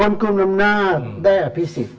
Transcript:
คนกลุ้มอำนาจได้อภิษฐฯ